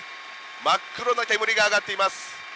真っ黒な煙が上がっています。